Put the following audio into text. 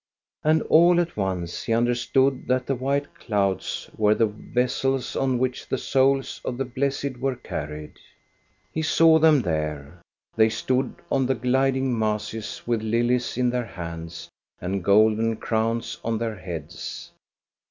And all at once he understood that the white clouds were the vessels on which the souls of the blessed were carried. He saw them there. They stood on the gliding masses with lilies in their hands and golden crowns on their heads.